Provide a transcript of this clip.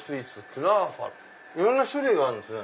いろんな種類があるんですね。